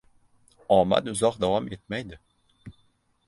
• Omad uzoq davom etmaydi.